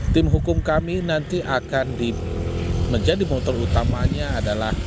tim hukum kami nanti akan menjadi motor utamanya adalah